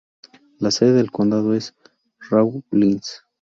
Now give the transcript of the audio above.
La sede del condado es Rawlins.